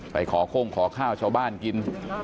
ขอโค้งขอข้าวชาวบ้านกิน